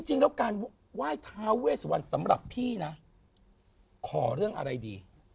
จริงแล้วการไหว้ท้าเวสวันสำหรับพี่นะขอเรื่องอะไรดี